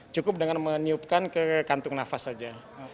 cukup dengan menyiupkan ke kantung nafas saja